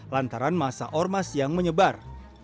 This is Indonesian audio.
lantaran masa ormas yang menyebar